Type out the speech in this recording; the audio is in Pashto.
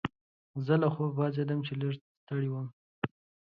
زه له خوبه پاڅیدم چې لږ ستړی وم.